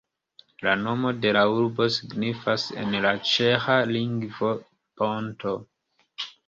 La nomo de la urbo signifas en le ĉeĥa lingvo "ponto".